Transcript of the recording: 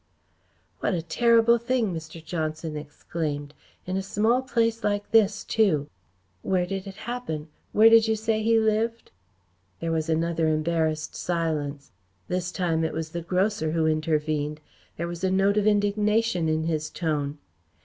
"What a terrible thing," Mr. Johnson exclaimed. "In a small place like this, too! Where did it happen? Where did you say he lived?" There was another embarrassed silence. This time it was the grocer who intervened. There was a note of indignation in his tone.